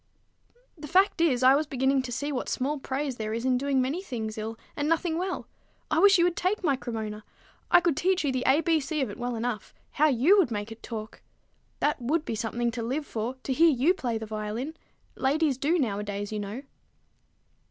"The fact is, I was beginning to see what small praise there is in doing many things ill and nothing well. I wish you would take my Cremona. I could teach you the A B C of it well enough. How you would make it talk! That would be something to live for, to hear you play the violin! Ladies do, nowadays, you know."